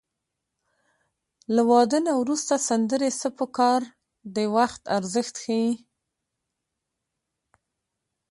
له واده نه وروسته سندرې څه په کار د وخت ارزښت ښيي